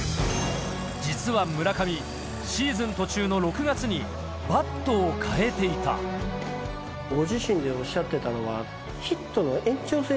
実は村上シーズン途中の６月にバットを変えていたご自身でおっしゃってたのは。